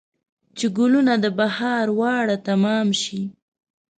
چې ګلونه د بهار واړه تمام شي